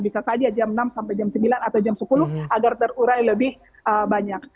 bisa saja jam enam sampai jam sembilan atau jam sepuluh agar terurai lebih banyak